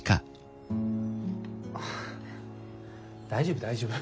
あ大丈夫大丈夫。